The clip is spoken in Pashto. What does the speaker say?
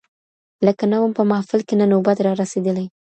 لکه نه وم په محفل کي نه نوبت را رسېدلی !.